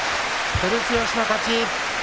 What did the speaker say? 照強の勝ち。